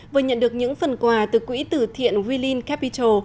vừa nhận được những phần quà từ quỹ tử thiện willing capital